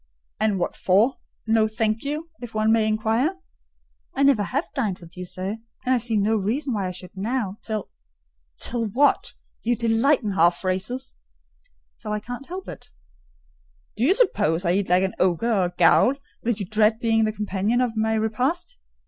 "And what for, 'no, thank you?' if one may inquire." "I never have dined with you, sir: and I see no reason why I should now: till—" "Till what? You delight in half phrases." "Till I can't help it." "Do you suppose I eat like an ogre or a ghoul, that you dread being the companion of my repast?"